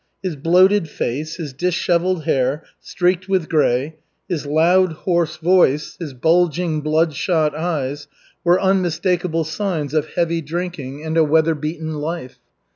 His bloated face, his dishevelled hair, streaked with grey, his loud, hoarse voice, his bulging, bloodshot eyes were unmistakable signs of heavy drinking and a weather beaten life.